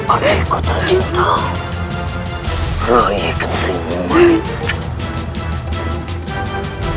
adikku tercinta raye ketengah